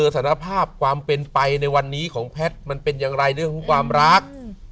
สารภาพความเป็นไปในวันนี้ของแพทย์มันเป็นอย่างไรเรื่องของความรัก